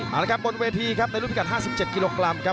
มาแล้วกันครับบนเวทีครับในรุ่นพิการ๕๗กิโลกรัมครับ